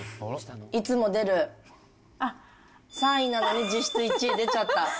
いつも出る３位なのに実質１位出ちゃった。